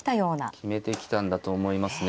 決めてきたんだと思いますね。